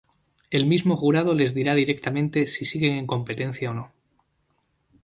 El mismo jurado les dirá directamente si siguen en competencia o no.